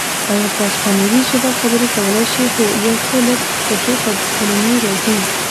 ایا په اسپانوي ژبه خبرې کولای شې؟ هو، یو څه لږ، یو څو کلمې راځي.